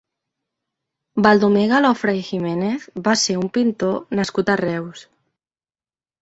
Baldomer Galofre i Giménez va ser un pintor nascut a Reus.